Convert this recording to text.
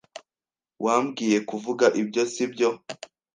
Wabwiye kuvuga ibyo, sibyo?